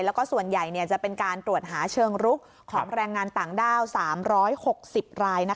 แล้วก็ส่วนใหญ่จะเป็นการตรวจหาเชิงรุกของแรงงานต่างด้าว๓๖๐ราย